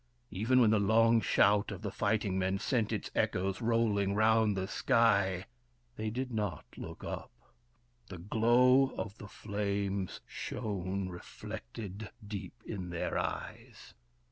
Even when the long shout of the fight ing men sent its echoes rolling round the sky, they did not look up. The glow of the flames shone reflected deep in their eyes.